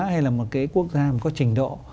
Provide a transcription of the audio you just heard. hay là một cái quốc gia mà có trình độ